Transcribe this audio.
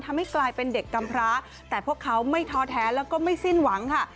ทำให้กลายเป็นเด็กกำพร้าแต่พวกเขาไม่ท้อแท้แล้วก็ไม่สิ้นหวังค่ะ